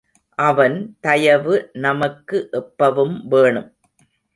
அவன் தயவு நமக்கு எப்பவும் வேணும்.